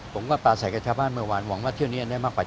ปลาใส่กับชาวบ้านเมื่อวานหวังว่าเที่ยวนี้ได้มากกว่า